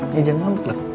jadi jangan ngambek lah